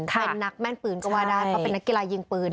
เป็นนักแม่นปืนก็ว่าได้เพราะเป็นนักกีฬายิงปืน